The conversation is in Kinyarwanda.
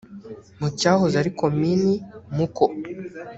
mu cyahoze ari komini muko